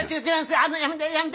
あのやめてやめて！